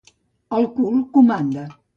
El cul comanda.